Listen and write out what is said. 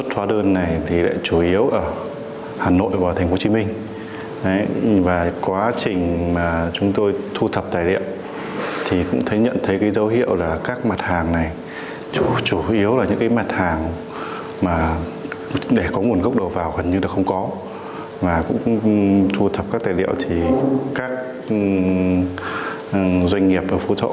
hẳn như là không có mà cũng thu thập các tài liệu thì các doanh nghiệp ở phú thọ